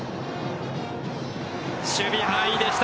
守備範囲でした。